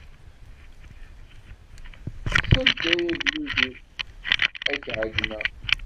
Sel-d, ay agdud-iw, ad k-ɛeyyneɣ!